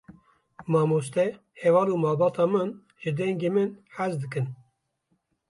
Mamoste, heval û malbata min, ji dengê min hez dikin.